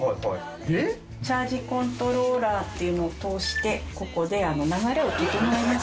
チャージコントローラーっていうのを通してここで流れを整えます。